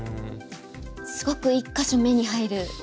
すごく１か所目に入る。